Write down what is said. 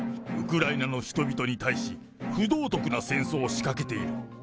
ウクライナの人々に対し、不道徳な戦争を仕掛けている。